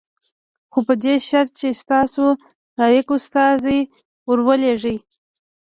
خو په دې شرط چې تاسو لایق استازی ور ولېږئ.